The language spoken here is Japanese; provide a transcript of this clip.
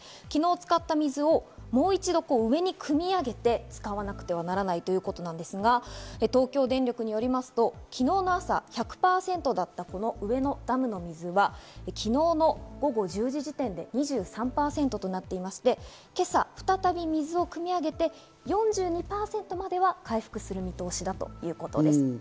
昨日使った水をもう一度、上にくみ上げて使わなくてはならないということなんですが、東京電力によりますと、昨日の朝１００％だったこの上のダムの水は、昨日の午後１０時時点で２３％になっていまして今朝、再び水をくみ上げて４２％までは回復する見通しだということです。